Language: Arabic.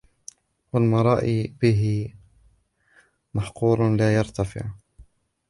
وَالْمُرَائِيَ بِهِ مَحْقُورٌ لَا يَرْتَفِعُ